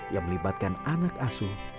yang melibatkan anak asuh